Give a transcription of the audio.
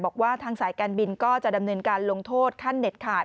บอกว่าทางสายการบินก็จะดำเนินการลงโทษขั้นเด็ดขาด